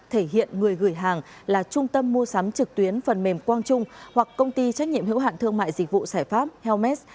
thể hiện người gửi hàng là trung tâm mua sắm trực tuyến phần mềm quang trung hoặc công ty trách nhiệm hữu hạn thương mại dịch vụ xảy pháp helmes